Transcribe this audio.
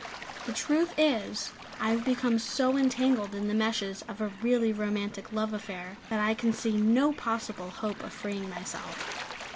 The truth is, I have become so entangled in the meshes of a really romantic love affair, that I can see no possible hope of freeing myself.